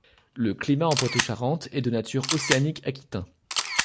Le climat, en Poitou-Charentes, est de nature océanique aquitain.